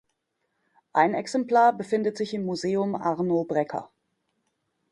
Ein Exemplar befindet sich im Museum Arno Breker.